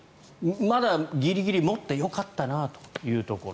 まだギリギリ持ってよかったなというところ。